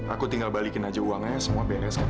aku tinggal balikin aja uangnya semua beres kan